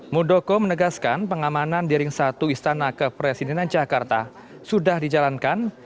mudoko menegaskan pengamanan diri satu istana kepresidenan jakarta sudah dijalankan